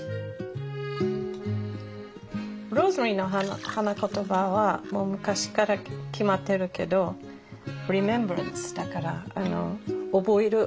ローズマリーの花言葉はもう昔から決まってるけどリメンバランスだから覚える覚えること。